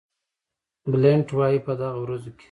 بلنټ وایي په دغه ورځو کې.